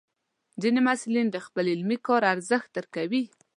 ځینې محصلین د خپل علمي کار ارزښت درکوي.